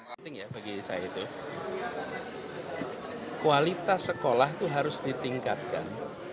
penting ya bagi saya itu kualitas sekolah itu harus ditingkatkan